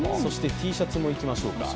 Ｔシャツもいきましょうか。